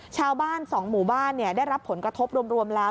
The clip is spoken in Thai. ชาวบ้าน๒หมู่บ้านได้รับผลกระทบรวมแล้ว